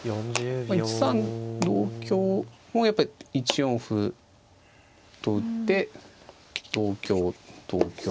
１三同香もやっぱり１四歩と打って同香同香。